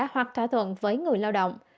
hoặc thỏa thuận với người lao động